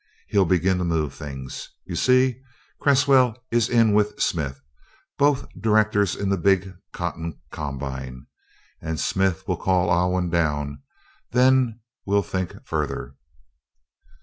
He'll begin to move things. You see? Cresswell is in with Smith both directors in the big Cotton Combine and Smith will call Alwyn down. Then we'll think further."